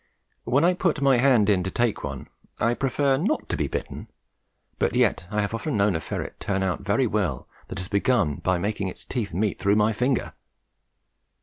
When I put my hand in to take one, I prefer not to be bitten; but yet I have often known a ferret turn out very well that has begun by making its teeth meet through my finger.